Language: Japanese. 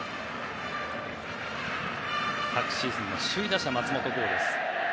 昨シーズンの首位打者松本剛です。